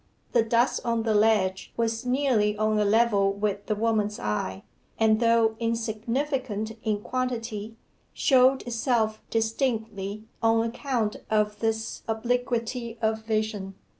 The dust on the ledge was nearly on a level with the woman's eye, and, though insignificant in quantity, showed itself distinctly on account of this obliquity of vision.